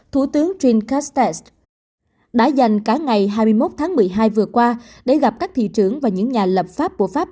thủ tướng jincastex đã dành cả ngày hai mươi một tháng một mươi hai vừa qua để gặp các thị trưởng và những nhà lập pháp của pháp